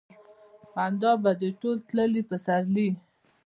خندا به دې ټول تللي پسرلي